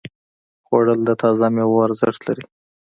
خوړل د تازه ميوو ارزښت لري